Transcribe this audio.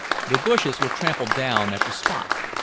The bushes were trampled down at the spot.